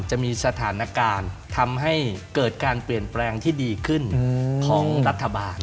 จะมีสถานการณ์ทำให้เกิดการเปลี่ยนแปลงที่ดีขึ้นของรัฐบาล